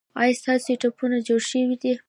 ایا ستاسو ټپونه جوړ شوي دي؟